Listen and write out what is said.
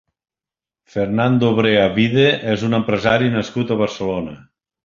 Fernando Brea Vide és un empresari nascut a Barcelona.